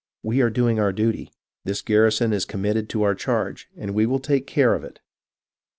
We are doing our duty ; this garrison is committed to our charge, and we will take care of it.